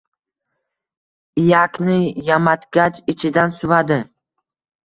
Iyakni yamatgach, ichidan suvadi.